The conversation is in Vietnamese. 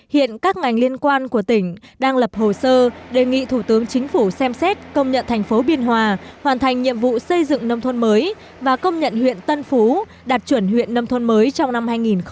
hiện các ngành liên quan của tỉnh đang lập hồ sơ đề nghị thủ tướng chính phủ xem xét công nhận thành phố biên hòa hoàn thành nhiệm vụ xây dựng nông thôn mới và công nhận huyện tân phú đạt chuẩn huyện nông thôn mới trong năm hai nghìn một mươi tám